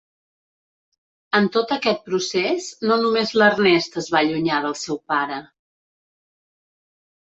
En tot aquest procés, no només l'Ernest es va allunyar del seu pare.